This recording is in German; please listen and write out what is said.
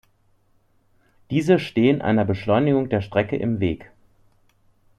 Diese stehen einer Beschleunigung der Strecke im Weg.